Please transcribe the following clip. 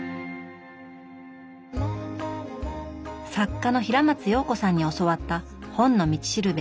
作家の平松洋子さんに教わった「本の道しるべ」。